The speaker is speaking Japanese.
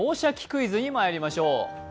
クイズ」にまいりましょう。